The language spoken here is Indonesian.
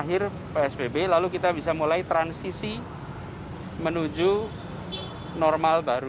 akhir psbb lalu kita bisa mulai transisi menuju normal baru